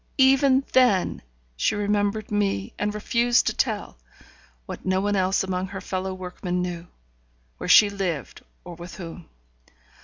even then she remembered me, and refused to tell (what no one else among her fellow workmen knew), where she lived or with whom.